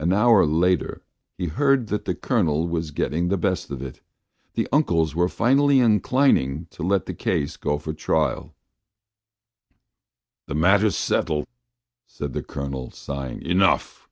An hour later he heard that the Colonel was getting the best of it; the uncles were finally inclining to let the case go for trial. "The matter's settled," said the Colonel, sighing. "Enough."